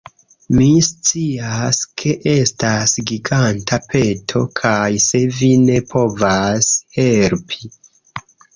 Mi scias, ke estas giganta peto kaj se vi ne povas helpi